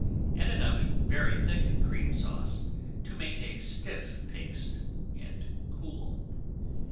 Add enough very thick Cream Sauce to make a stiff paste, and cool.